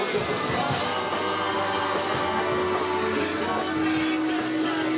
ส่วนแห่งตาชีวิตไม่ได้กลับไหว